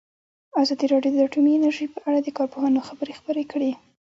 ازادي راډیو د اټومي انرژي په اړه د کارپوهانو خبرې خپرې کړي.